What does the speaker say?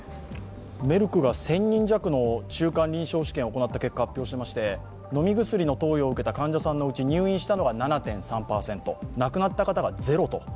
メルクが１０００人弱の中間臨床治験の結果を発表していまして、飲み薬の投与を受けた患者さんのうち入院したのが７．３％、亡くなった方がゼロと。